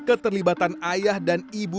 keterlibatan ayah dan ibu